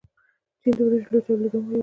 چین د وریجو لوی تولیدونکی هیواد دی.